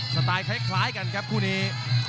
สไตล์คล้ายกันครับคู่นี้